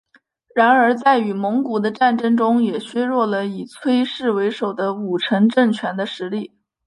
然而在与蒙古的战争中也削弱了以崔氏为首的武臣政权的实力。